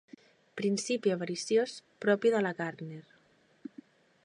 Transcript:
Principi avariciós propi de la Gardner.